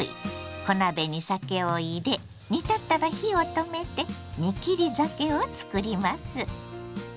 小鍋に酒を入れ煮立ったら火を止めて「煮切り酒」をつくります。